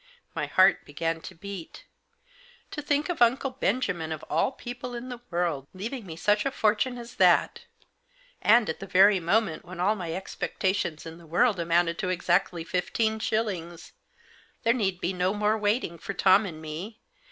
My heart began to beat. To think of Uncle Benjamin, of all people in the world, leaving me such a fortune as that ! And at the very moment when all my expectations in this world amounted to exactly fifteen shillings ! There need be no more waiting for Tom and me.